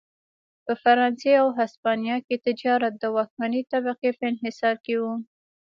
په فرانسې او هسپانیا کې تجارت د واکمنې طبقې په انحصار کې و.